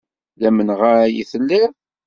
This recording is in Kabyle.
D amenɣay i telliḍ?